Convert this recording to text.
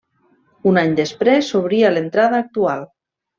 Un any després s'obria l'entrada actual.